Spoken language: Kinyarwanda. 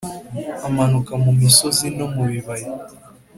amanuka mu misozi no mu bibaya,